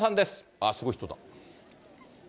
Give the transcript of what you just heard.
あ、すごい人だ。